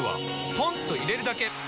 ポンと入れるだけ！